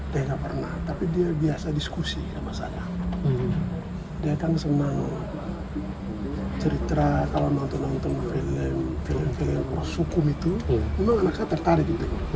dia tidak pernah tapi dia biasa diskusi sama saya dia kan senang cerita kalau nonton nonton film film sukum itu memang anak saya tertarik